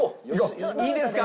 いいですか？